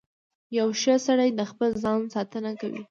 • یو ښه سړی د خپل ځان ساتنه کوي.